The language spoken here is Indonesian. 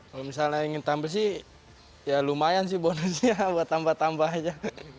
kalau misalnya ingin tampil sih ya lumayan sih bonusnya buat tambah tambah aja